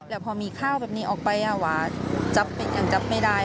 แล้วพอมีข้าวแบบนี้ออกไปหวานยังจับไม่ได้